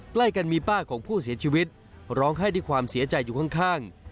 ใกล้กันมีป้าของผู้เสียชีวิตร้องไห้ด้วยความเสียใจอยู่ข้าง